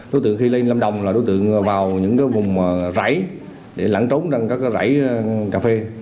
đối tượng khi lên lâm đồng là đối tượng vào những vùng rãi để lãng trốn trong các rãi cà phê